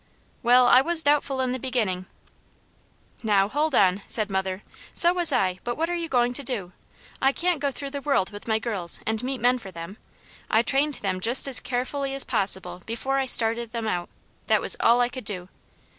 "Well, I was doubtful in the beginning." "Now hold on," said mother. "So was I; but what are you going to do? I can't go through the world with my girls, and meet men for them. I trained them just as carefully as possible before I started them out; that was all I could do.